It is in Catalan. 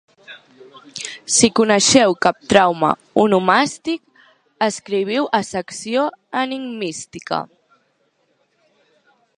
Si coneixeu cap trauma onomàstic, escriviu a Secció Enigmística.